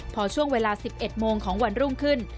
พอช่วงเวลา๑๑โมงของวันรุ่งขึ้น